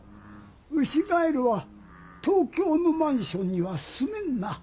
ウシガエルは東京のマンションにはすめんな。